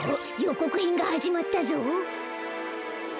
こくへんがはじまったぞ！